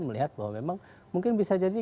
melihat bahwa memang mungkin bisa jadi